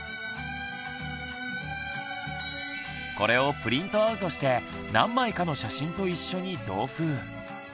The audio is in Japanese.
これをプリントアウトして何枚かの写真と一緒に同封。